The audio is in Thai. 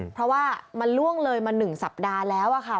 เพราะว่ามันล่วงเลยมา๑สัปดาห์แล้วค่ะ